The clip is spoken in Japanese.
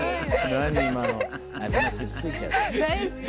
大好き。